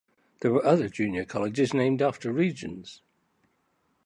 There were other junior colleges named after regions.